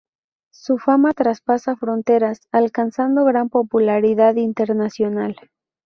Su fama traspasa fronteras alcanzando gran popularidad internacional.